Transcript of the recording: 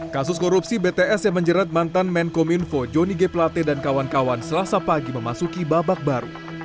kasus korupsi bts yang menjerat mantan menkom info jonny g plate dan kawan kawan selasa pagi memasuki babak baru